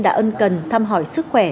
đã ân cần thăm hỏi sức khỏe